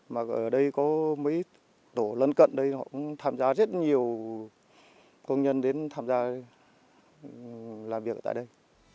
mà ở đây có mấy tổ lân cận đây họ cũng tham gia rất nhiều công nhân đến tham gia làm việc tại đây